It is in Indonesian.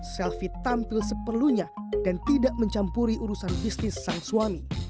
selvi tampil seperlunya dan tidak mencampuri urusan bisnis sang suami